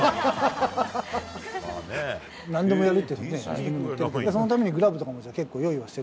なんでもやるって言ってるけど、そのためにグラブとかも、結構、用意はしてる？